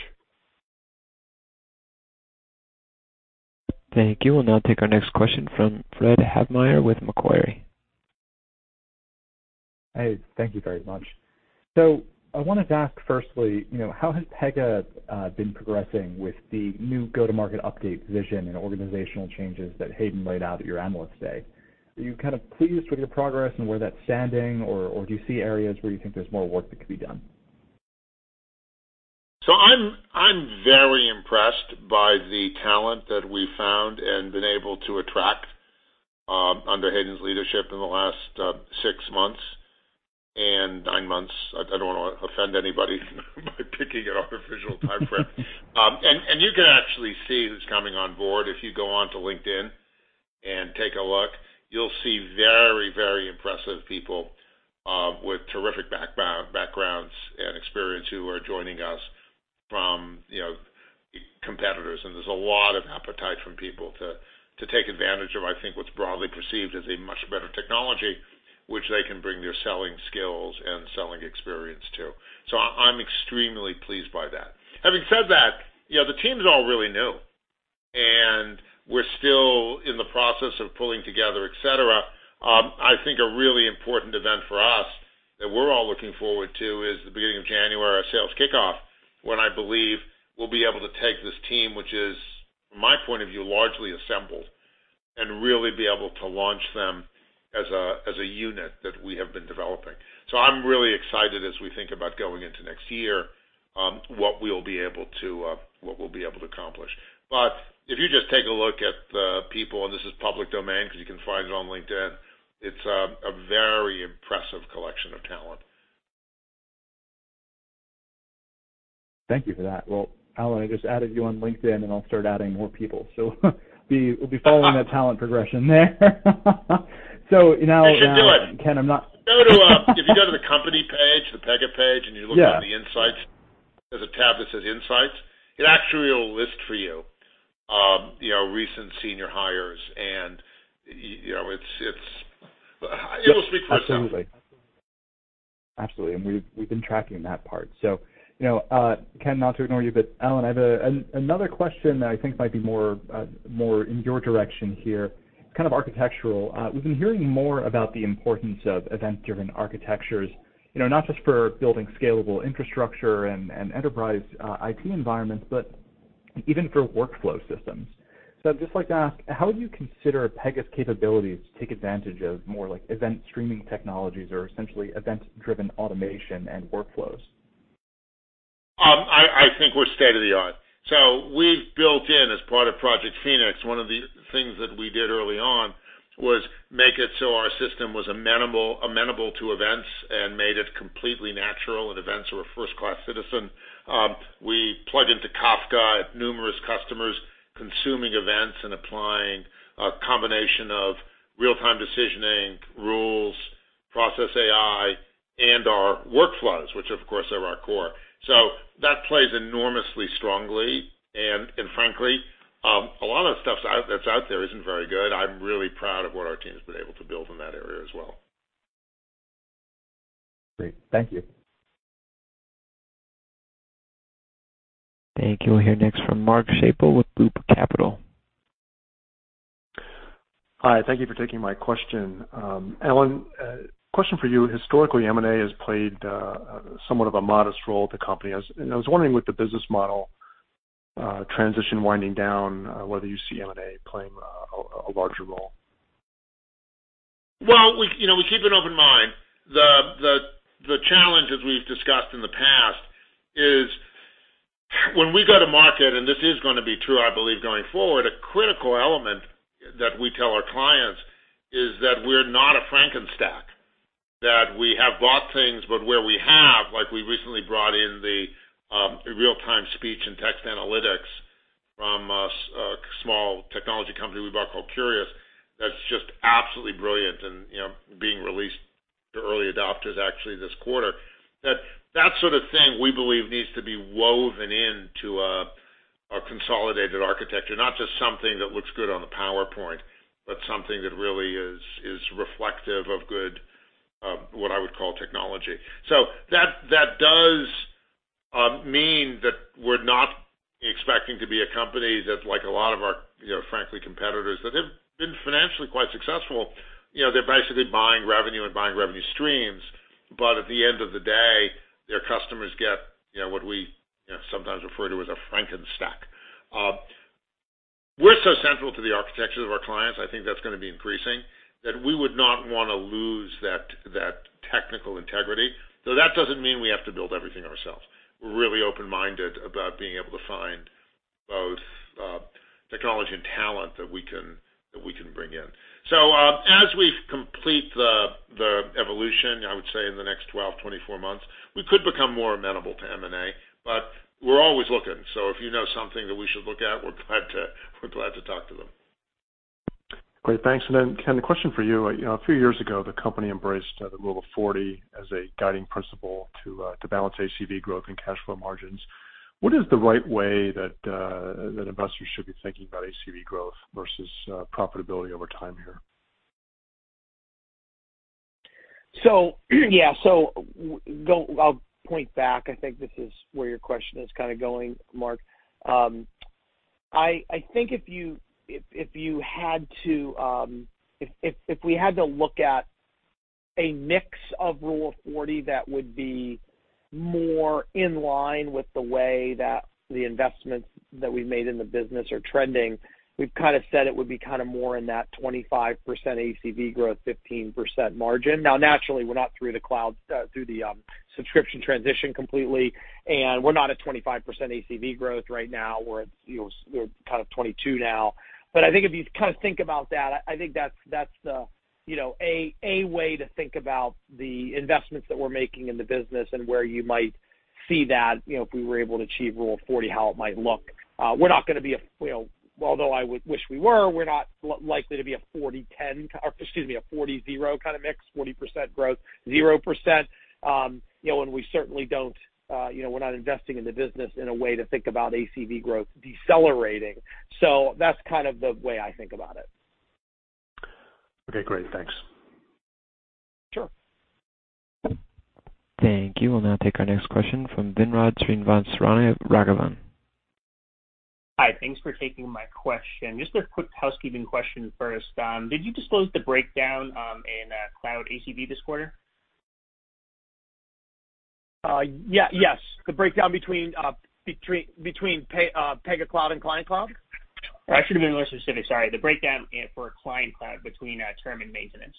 Speaker 1: Thank you. We'll now take our next question from Fred Havemeyer with Macquarie.
Speaker 9: Hey, thank you very much. I wanted to ask firstly, you know, how has Pega been progressing with the new go-to-market update vision and organizational changes that Hayden laid out at your Analyst Day? Are you kind of pleased with your progress and where that's standing or do you see areas where you think there's more work that could be done?
Speaker 3: I'm very impressed by the talent that we found and been able to attract under Hayden's leadership in the last six-months and nine-months. I don't wanna offend anybody by picking an official timeframe. You can actually see who's coming on board. If you go on to LinkedIn and take a look, you'll see very, very impressive people with terrific backgrounds and experience who are joining us from, you know, competitors. There's a lot of appetite from people to take advantage of, I think, what's broadly perceived as a much better technology, which they can bring their selling skills and selling experience to. I'm extremely pleased by that. Having said that, you know, the team's all really new, and we're still in the process of pulling together, et cetera. I think a really important event for us that we're all looking forward to is the beginning of January, our sales kickoff, when I believe we'll be able to take this team, which is, from my point of view, largely assembled, and really be able to launch them as a unit that we have been developing. I'm really excited as we think about going into next year, what we'll be able to accomplish. If you just take a look at the people, and this is public domain because you can find it on LinkedIn, it's a very impressive collection of talent.
Speaker 9: Thank you for that. Well, Alan, I just added you on LinkedIn, and I'll start adding more people. We'll be following that talent progression there. Now
Speaker 3: You should do it.
Speaker 9: Ken, I'm not.
Speaker 3: If you go to the company page, the Pega page, and you look under the Insights. There's a tab that says Insights. It actually will list for you know, recent senior hires and you know, it's. It'll speak for itself.
Speaker 9: Absolutely. We've been tracking that part. You know, Ken, not to ignore you, but Alan, I have another question that I think might be more in your direction here. It's kind of architectural. We've been hearing more about the importance of event-driven architectures, you know, not just for building scalable infrastructure and enterprise IT environments, but Even for workflow systems. I'd just like to ask, how would you consider Pega's capabilities to take advantage of more like event streaming technologies or essentially event-driven automation and workflows?
Speaker 3: I think we're state-of-the-art. We've built in as part of Project Phoenix, one of the things that we did early on was make it so our system was amenable to events and made it completely natural, and events were a first-class citizen. We plugged into Kafka at numerous customers, consuming events and applying a combination of real-time decisioning, rules, process AI, and our workflows, which, of course, are our core. That plays enormously strongly. Frankly, a lot of the stuff that's out there isn't very good. I'm really proud of what our team has been able to build in that area as well.
Speaker 9: Great. Thank you.
Speaker 1: Thank you. We'll hear next from Mark Schappel with Loop Capital.
Speaker 10: Hi. Thank you for taking my question. Alan, question for you. Historically, M&A has played somewhat of a modest role at the company. I was wondering, with the business model transition winding down, whether you see M&A playing a larger role.
Speaker 3: We keep an open mind. The challenge, as we've discussed in the past, is when we go to market, and this is gonna be true, I believe, going forward, a critical element that we tell our clients is that we're not a Frankenstack, that we have bought things, but where we have, like we recently brought in the real-time speech and text analytics from a small technology company we bought called Qurious.io that's just absolutely brilliant and, you know, being released to early adopters actually this quarter. That sort of thing, we believe, needs to be woven into a consolidated architecture, not just something that looks good on the PowerPoint, but something that really is reflective of good what I would call technology. That does mean that we're not expecting to be a company that like a lot of our, you know, frankly, competitors that have been financially quite successful. You know, they're basically buying revenue and buying revenue streams, but at the end of the day, their customers get, you know, what we, you know, sometimes refer to as a Frankenstack. We're so central to the architecture of our clients. I think that's gonna be increasing, that we would not wanna lose that technical integrity, though that doesn't mean we have to build everything ourselves. We're really open-minded about being able to find both technology and talent that we can bring in. As we complete the evolution, I would say in the next 12-24 months, we could become more amenable to M&A, but we're always looking. If you know something that we should look at, we're glad to talk to them.
Speaker 10: Great. Thanks. Ken, a question for you. You know, a few years ago, the company embraced the Rule of 40 as a guiding principle to balance ACV growth and cash flow margins. What is the right way that investors should be thinking about ACV growth versus profitability over time here?
Speaker 2: I'll point back. I think this is where your question is kinda going, Mark. I think if you had to, if we had to look at a mix of Rule of 40 that would be more in line with the way that the investments that we've made in the business are trending, we've kinda said it would be kinda more in that 25% ACV growth, 15% margin. Now, naturally, we're not through the cloud, through the subscription transition completely, and we're not at 25% ACV growth right now. We're at, you know, we're kind of 22% now. I think if you kinda think about that, I think that's the you know a way to think about the investments that we're making in the business and where you might see that you know if we were able to achieve Rule of 40, how it might look. We're not gonna be you know although I would wish we were, we're not likely to be a 40/10 or excuse me a 40/0 kinda mix, 40% growth, 0%. You know and we certainly don't you know we're not investing in the business in a way to think about ACV growth decelerating. So that's kind of the way I think about it.
Speaker 10: Okay, great. Thanks.
Speaker 2: Sure.
Speaker 1: Thank you. We'll now take our next question from Vinod Srinivasaraghavan.
Speaker 11: Hi. Thanks for taking my question. Just a quick housekeeping question first. Did you disclose the breakdown in cloud ACV this quarter?
Speaker 2: Yeah, yes. The breakdown between Pega Cloud and Client-managed cloud?
Speaker 11: I should have been more specific, sorry. The breakdown for Client-managed cloud between term and maintenance.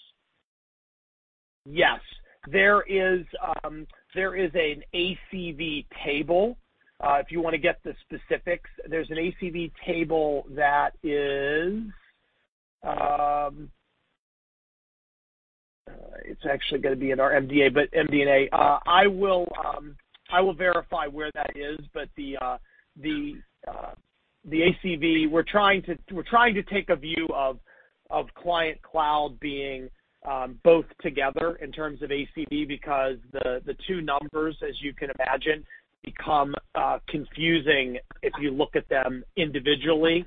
Speaker 2: Yes. There is an ACV table if you wanna get the specifics. There's an ACV table. It's actually gonna be in our MD&A. I will verify where that is, but the ACV, we're trying to take a view of Client-managed cloud being both together in terms of ACV because the two numbers, as you can imagine, become confusing if you look at them individually.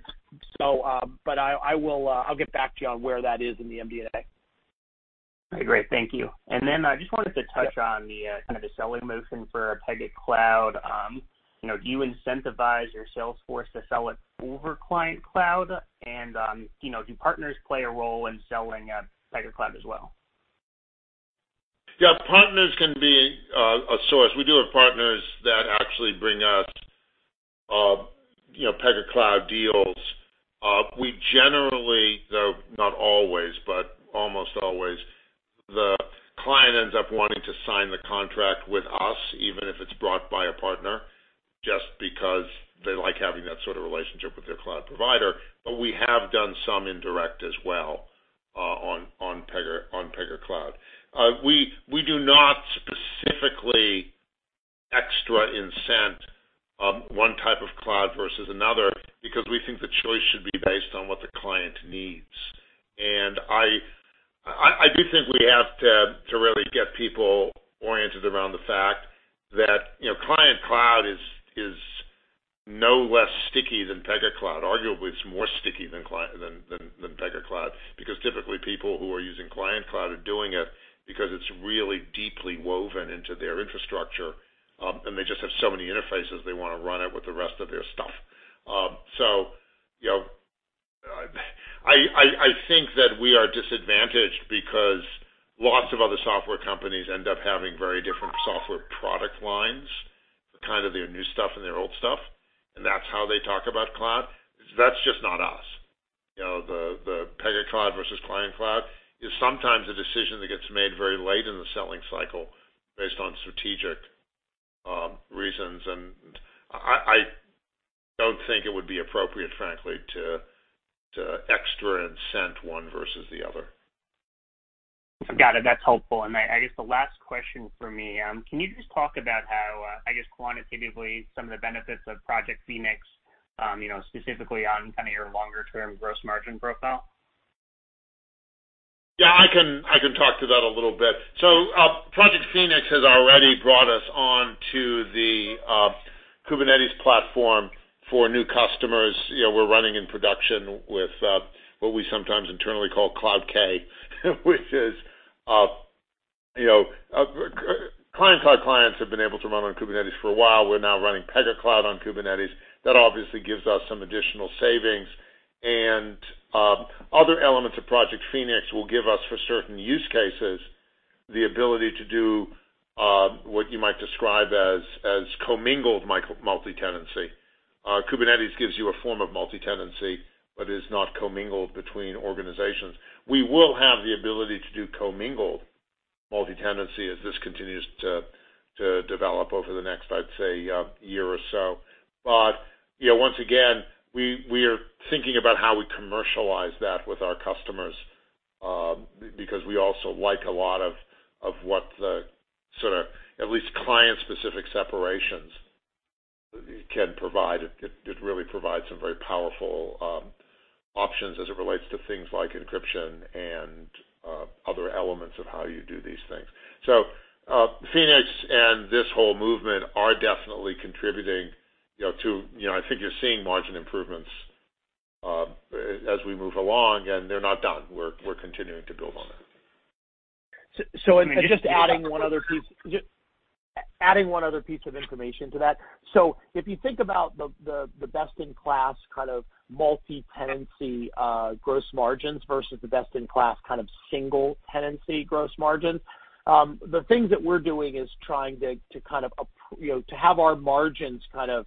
Speaker 2: I will get back to you on where that is in the MD&A.
Speaker 11: All right, great. Thank you. I just wanted to touch on the kinda the selling motion for Pega Cloud. You know, do you incentivize your sales force to sell it over Client-managed cloud? You know, do partners play a role in selling Pega Cloud as well?
Speaker 3: Yeah, partners can be a source. We do have partners that actually bring us, you know, Pega Cloud deals. We generally, though not always, but almost always, the client ends up wanting to sign the contract with us, even if it's brought by a partner, just because they like having that sort of relationship with their cloud provider. But we have done some indirect as well, on Pega Cloud. We do not specifically extra incent one type of cloud versus another because we think the choice should be based on what the client needs. I do think we have to really get people oriented around the fact that, you know, Client-managed cloud is no less sticky than Pega Cloud. Arguably, it's more sticky than Pega Cloud because typically people who are using Client-managed cloud are doing it because it's really deeply woven into their infrastructure, and they just have so many interfaces they wanna run it with the rest of their stuff. You know, I think that we are disadvantaged because lots of other software companies end up having very different software product lines, kind of their new stuff and their old stuff, and that's how they talk about cloud. That's just not us. You know, the Pega Cloud versus Client-managed cloud is sometimes a decision that gets made very late in the selling cycle based on strategic reasons. I don't think it would be appropriate, frankly, to extra incent one versus the other.
Speaker 11: Got it. That's helpful. I guess the last question for me, can you just talk about how, I guess quantitatively some of the benefits of Project Phoenix, you know, specifically on kind of your longer-term gross margin profile?
Speaker 3: I can talk to that a little bit. Project Phoenix has already brought us on to the Kubernetes platform for new customers. You know, we're running in production with what we sometimes internally call Cloud K, which is Client Cloud clients have been able to run on Kubernetes for a while. We're now running Pega Cloud on Kubernetes. That obviously gives us some additional savings. Other elements of Project Phoenix will give us, for certain use cases, the ability to do what you might describe as commingled multi-tenancy. Kubernetes gives you a form of multi-tenancy, but is not commingled between organizations. We will have the ability to do commingled multi-tenancy as this continues to develop over the next, I'd say, year or so. You know, once again, we are thinking about how we commercialize that with our customers, because we also like a lot of what the sort of at least client-specific separations can provide. It really provides some very powerful options as it relates to things like encryption and other elements of how you do these things. Phoenix and this whole movement are definitely contributing, you know, to, you know, I think you're seeing margin improvements as we move along, and they're not done. We're continuing to build on it.
Speaker 2: Adding one other piece of information to that. If you think about the best-in-class kind of multi-tenancy gross margins versus the best-in-class kind of single tenancy gross margins, the things that we're doing is trying to kind of you know, to have our margins kind of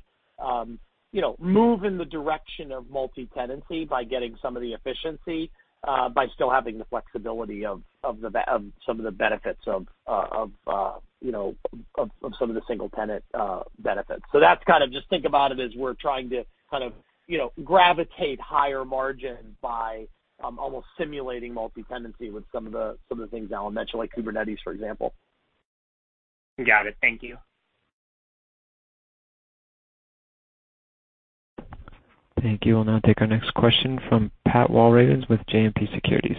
Speaker 2: move in the direction of multi-tenancy by getting some of the efficiency by still having the flexibility of some of the benefits of some of the single-tenant benefits. That's kind of just think about it as we're trying to kind of you know, gravitate higher margin by almost simulating multi-tenancy with some of the things Alan mentioned, like Kubernetes, for example.
Speaker 11: Got it. Thank you.
Speaker 1: Thank you. We'll now take our next question from Patrick Walravens with JMP Securities.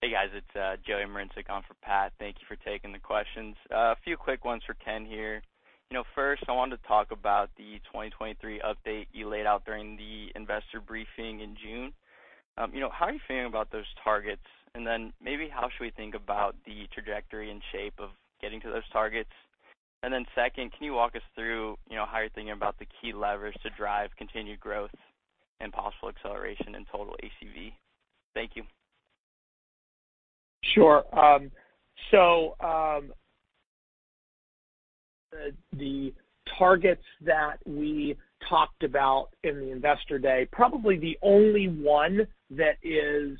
Speaker 12: Hey, guys. It's Joseph Marincek on for Pat. Thank you for taking the questions. A few quick ones for Ken here. You know, first, I wanted to talk about the 2023 update you laid out during the investor briefing in June. You know, how are you feeling about those targets? And then maybe how should we think about the trajectory and shape of getting to those targets? And then second, can you walk us through, you know, how you're thinking about the key levers to drive continued growth and possible acceleration in total ACV? Thank you.
Speaker 2: Sure. So, the targets that we talked about in the Investor Day, probably the only one that is.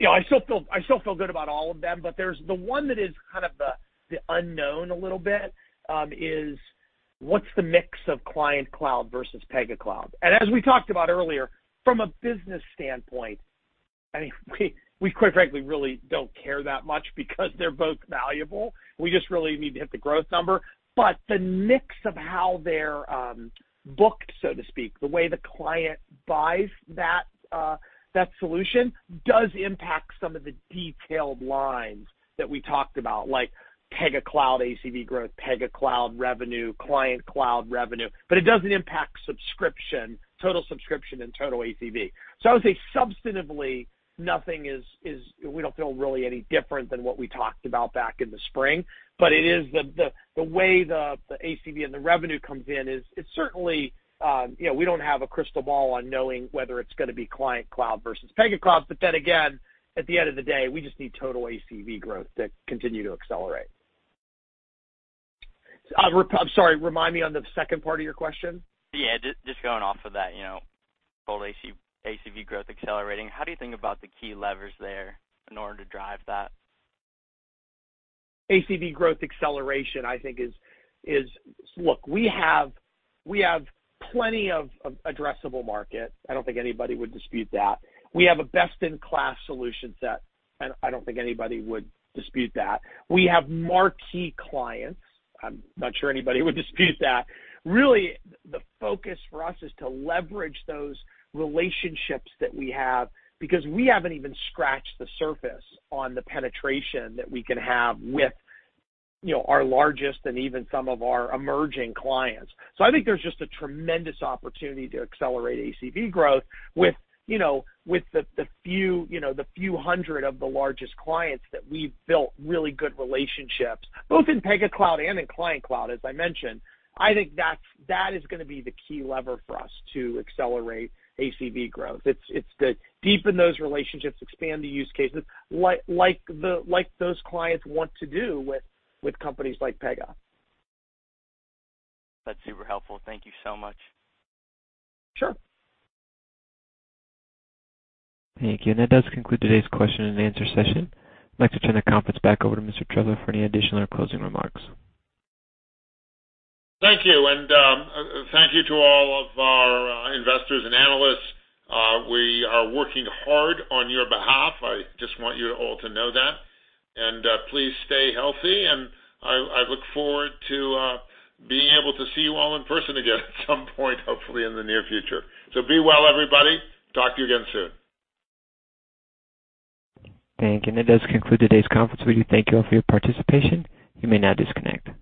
Speaker 2: You know, I still feel good about all of them, but there's the one that is kind of the unknown a little bit, is what's the mix of Client-managed cloud versus Pega Cloud. As we talked about earlier, from a business standpoint, I mean, we quite frankly really don't care that much because they're both valuable. We just really need to hit the growth number. But the mix of how they're booked, so to speak, the way the client buys that solution does impact some of the detailed lines that we talked about, like Pega Cloud ACV growth, Pega Cloud revenue, Client-managed cloud revenue, but it doesn't impact subscription, total subscription and total ACV. I would say substantively nothing is we don't feel really any different than what we talked about back in the spring. It is the way the ACV and the revenue comes in is it's certainly, you know, we don't have a crystal ball on knowing whether it's gonna be Client-managed cloud versus Pega Cloud. Again, at the end of the day, we just need total ACV growth to continue to accelerate. I'm sorry, remind me on the second part of your question.
Speaker 12: Yeah, just going off of that, you know, total ACV growth accelerating, how do you think about the key levers there in order to drive that?
Speaker 2: ACV growth acceleration, I think, is. Look, we have plenty of addressable market. I don't think anybody would dispute that. We have a best-in-class solution set, and I don't think anybody would dispute that. We have marquee clients. I'm not sure anybody would dispute that. Really, the focus for us is to leverage those relationships that we have because we haven't even scratched the surface on the penetration that we can have with, you know, our largest and even some of our emerging clients. I think there's just a tremendous opportunity to accelerate ACV growth with, you know, the few hundred of the largest clients that we've built really good relationships, both in Pega Cloud and in Client-managed cloud, as I mentioned. I think that is gonna be the key lever for us to accelerate ACV growth. It's to deepen those relationships, expand the use cases, like those clients want to do with companies like Pega.
Speaker 12: That's super helpful. Thank you so much.
Speaker 2: Sure.
Speaker 1: Thank you. That does conclude today's question and answer session. I'd like to turn the conference back over to Mr. Trefler for any additional or closing remarks.
Speaker 3: Thank you, and thank you to all of our investors and analysts. We are working hard on your behalf. I just want you all to know that. Please stay healthy, and I look forward to being able to see you all in person again at some point, hopefully in the near future. Be well, everybody. Talk to you again soon.
Speaker 1: Thank you. That does conclude today's conference. We do thank you all for your participation. You may now disconnect.